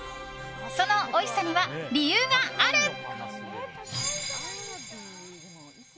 そのおいしさには理由がある！